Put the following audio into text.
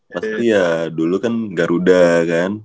pasti ya dulu kan garuda kan